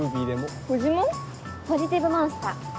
ポジティブモンスター。